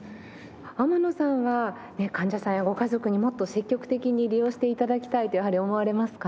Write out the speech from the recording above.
天野さんは患者さんやご家族にもっと積極的に利用して頂きたいとやはり思われますか？